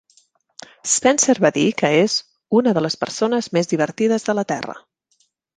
Spencer va dir que és "una de les persones més divertides de la Terra".